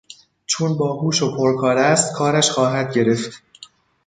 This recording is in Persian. چون باهوش و پرکار است کارش خواهد گرفت.